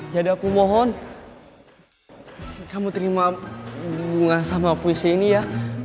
jadi aku mohon kamu terima bunga sama puisi ini ya